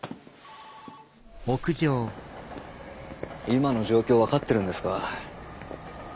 今の状況分かってるんですか？